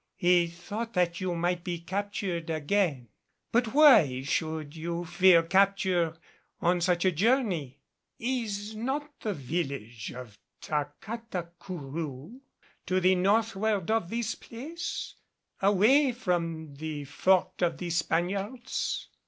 He thought that you might be captured again. But why should you fear capture on such a journey? Is not the village of Tacatacourou to the northward of this place, away from the fort of the Spaniards?"